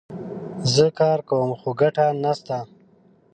زه کار کوم ، خو ګټه نه سته